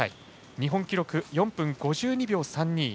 日本記録４分５２秒３２。